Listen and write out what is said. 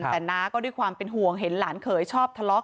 แต่น้าก็ด้วยความเป็นห่วงเห็นหลานเขยชอบทะเลาะ